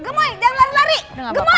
gemoy jangan lari lari